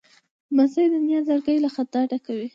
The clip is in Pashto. لمسی د نیا زړګی له خندا ډکوي.